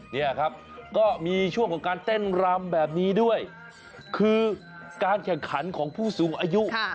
เนี่ยครับก็มีช่วงของการเต้นรำแบบนี้ด้วยคือการแข่งขันของผู้สูงอายุ